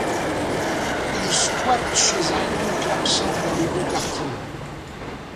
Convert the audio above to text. Il squatte chez un oncle absent dans les beaux quartiers.